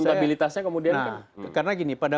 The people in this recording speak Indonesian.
stabilitasnya kemudian karena gini pada